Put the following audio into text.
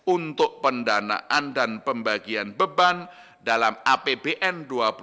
untuk pendanaan dan pembagian beban dalam apbn dua ribu dua puluh